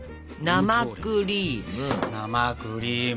生クリーム。